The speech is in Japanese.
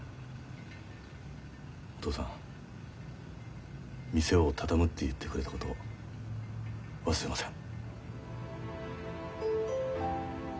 お父さん店を畳むって言ってくれたこと忘れません。